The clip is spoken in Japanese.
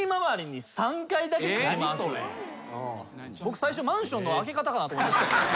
僕最初マンションの開け方かなと思いました。